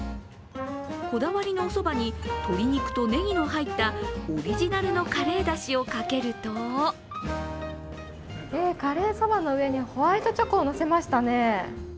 こだわりのおそばに鶏肉とねぎの入ったオリジナルのカレーだしをかけるとえー、カレーそばの上にホワイトチョコをのせましたね。